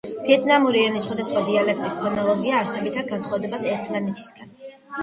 ვიეტნამური ენის სხვადასხვა დიალექტების ფონოლოგია არსებითად განსხვავდება ერთმანეთისაგან.